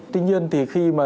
tuy nhiên thì khi mà